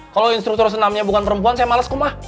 kalau instruktur senamnya bukan perempuan saya males kum ah